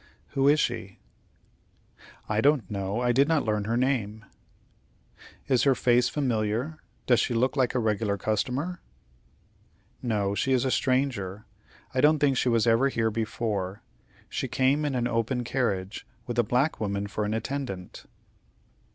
"Who is she?" "I don't know. I did not learn her name." "Is her face familiar? Does she look like a regular customer?" "No, she is a stranger. I don't think she was ever here before. She came in an open carriage, with a black woman for an attendant."